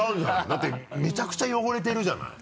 だってめちゃくちゃ汚れてるじゃない。